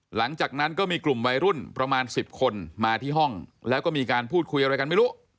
หลังจากนั้นก็มีกลุ่มวัยรุ่นประมาณ๑๐คนมาที่ห้องแล้วก็มีการพูดคุยอะไรกันไม่รู้